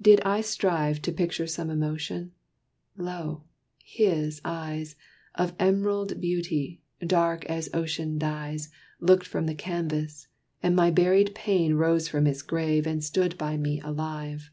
Did I strive To picture some emotion, lo! his eyes, Of emerald beauty, dark as ocean dyes, Looked from the canvas: and my buried pain Rose from its grave, and stood by me alive.